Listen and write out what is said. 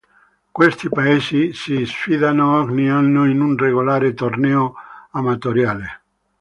Questi paesi si sfidano ogni anno in un regolare torneo amatoriale.